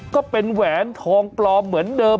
ก็เป็นแหวนทองปลอมเหมือนเดิม